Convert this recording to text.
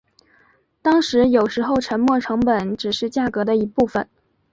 当然有时候沉没成本只是价格的一部分。